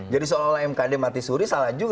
jadi seolah olah mkd mati suri salah juga